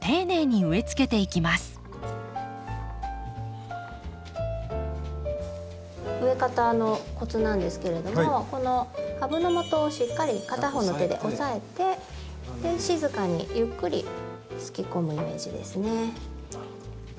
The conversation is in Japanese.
植え方のコツなんですけれどもこの株のもとをしっかり片方の手で押さえて静かにゆっくりすき込むイメージですね。